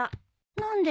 何で？